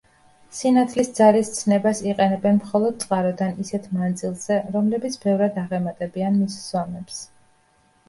სინათლის ძალის ცნებას იყენებენ მხოლოდ წყაროდან ისეთ მანძილზე, რომლებიც ბევრად აღემატებიან მის ზომებს.